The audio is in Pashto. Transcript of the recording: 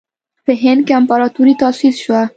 په هند کې امپراطوري تأسیس شوه.